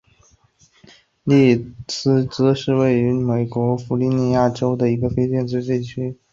利斯基是位于美国加利福尼亚州莫多克县的一个非建制地区。